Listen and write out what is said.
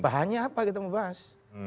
bahannya apa kita mau bahas